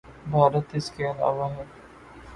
بھارت اس کے علاوہ ہے۔